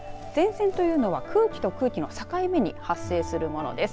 前線というのは空気と空気の境目に発生するものです。